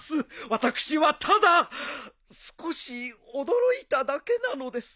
私はただ少し驚いただけなのです。